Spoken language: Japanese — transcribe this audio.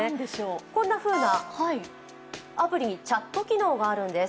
こんなふうなアプリにチャット機能があるんです。